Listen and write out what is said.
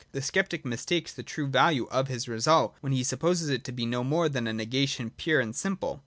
The sceptic mistakes the true value of his result, when he supposes it to be no more than a negation pure and simple.